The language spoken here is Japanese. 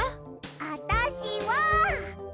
あたしは。